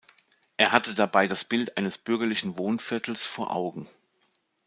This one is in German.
Er hatte dabei das Bild eines bürgerlichen Wohnviertels vor Augen.